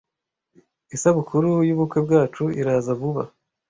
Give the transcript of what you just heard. Isabukuru yubukwe bwacu iraza vuba.